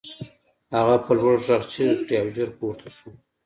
هغه په لوړ غږ چیغې کړې او ژر پورته شو